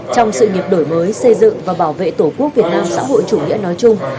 trong sự nghiệp đổi mới xây dựng và bảo vệ tổ quốc việt nam xã hội chủ nghĩa nói chung